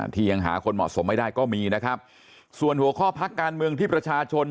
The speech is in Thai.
ที่ยังหาคนเหมาะสมไม่ได้ก็มีนะครับส่วนหัวข้อพักการเมืองที่ประชาชน